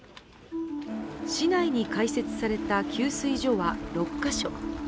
市内に開設された給水所は６か所。